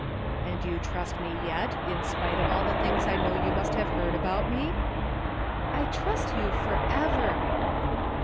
" And you trust me yet, in spite of all the things I know you must have heard about me? "" I trust you forever!